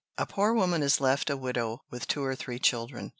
"A poor woman is left a widow with two or three children.